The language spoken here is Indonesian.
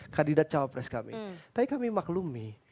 kandidat cawa pres kami tapi kami maklumi